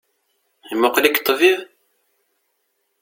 Imuqel-ik ṭṭbib?